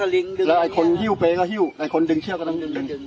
แล้วไอ้คนหิ้วเป้ก็หิ้วไอ้คนดึงเชือกก็ดึง